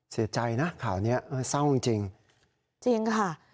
เสียใจนะข่าวนี้เศร้าจริงจริงค่ะ